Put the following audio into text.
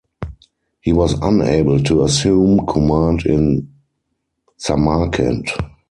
He was unable to assume command in Samarkand.